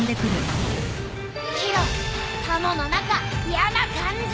宙タモの中やな感じ！